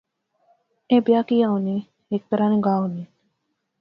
ایہہ بیاہ کہیہ ہونے ہیک طرح نے گاہ ہونے